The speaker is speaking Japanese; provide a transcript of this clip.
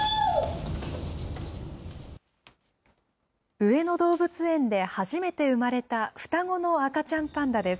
上野動物園で初めて産まれた双子の赤ちゃんパンダです。